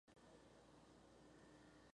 Dejó sólo bocetos y diseños de su monumento.